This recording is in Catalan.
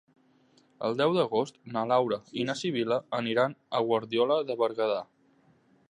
El deu d'agost na Laura i na Sibil·la aniran a Guardiola de Berguedà.